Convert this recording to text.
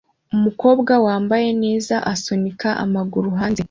Umukobwa wambaye neza asunika amaguru hanze